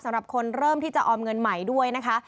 สำหรับคนเริ่มที่จะออมเงินใหม่ด้วยนะคะ